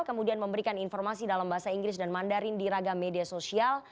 kemudian memberikan informasi dalam bahasa inggris dan mandarin di ragam media sosial